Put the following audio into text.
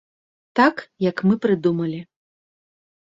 Так, як мы прыдумалі.